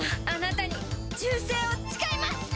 あなたに忠誠を誓います！